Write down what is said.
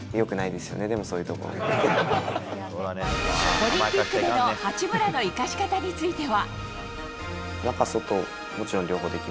オリンピックでの八村の生かし方については。